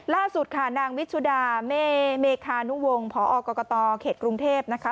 ล่าสุดค่ะนางวิชุดาเมคานุวงศ์พอกรกตเขตกรุงเทพนะคะ